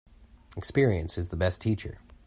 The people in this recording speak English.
Experience is the best teacher.